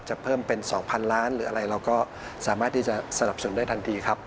เพิ่มเป็น๒๐๐๐ล้านหรืออะไรเราก็สามารถที่จะสนับสนุนได้ทันทีครับ